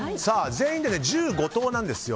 全員で１５投なんです。